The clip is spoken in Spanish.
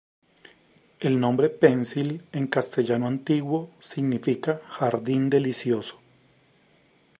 El nombre "pensil" en castellano antiguo significa "jardín delicioso".